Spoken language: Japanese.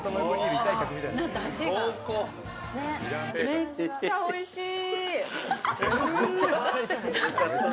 めっちゃおいしい。